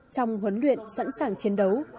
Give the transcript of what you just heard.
trong huấn luyện sẵn sàng chiến đấu